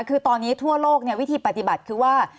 คือตอนนี้ทั่วโลกวิธีปฏิบัติคือว่า